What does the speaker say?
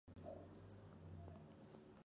Burton W. Folsom, Jr.